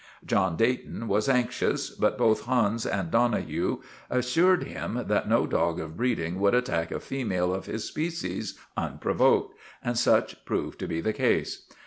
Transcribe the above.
John Dayton was anxious, but both Hans and Donohue assured him that no dog of breeding would attack a female of his species unprovoked, and such proved to be the case.